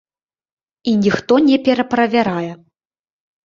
І ніхто не пераправярае.